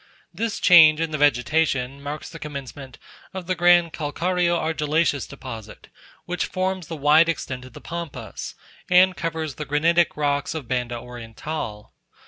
This change in the vegetation marks the commencement of the grand calcareo argillaceous deposit, which forms the wide extent of the Pampas, and covers the granitic rocks of Banda Oriental.